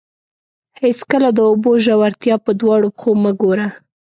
هېڅکله د اوبو ژورتیا په دواړو پښو مه ګوره.